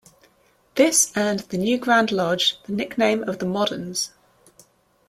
This earned the new Grand Lodge the nickname of the "Moderns".